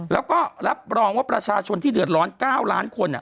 แล้วก็รับรองว่าประชาชนที่เดือดร้อน๙ล้านคน